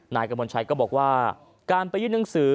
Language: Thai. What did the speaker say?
นายกระมวลชัยก็บอกว่าการไปยื่นหนังสือ